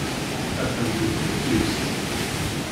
Attan deg teklizt.